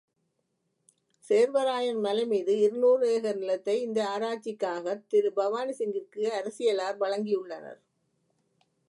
சேர்வராயன் மலைமீது இருநூறு ஏகர் நிலத்தை, இந்த ஆராய்ச்சிக்காகத் திரு பவானி சிங்கிற்கு அரசியலார் வழங்கியுள்ளனர்.